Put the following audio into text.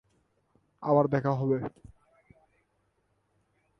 ইউটিউবে "খুনী শিকদার"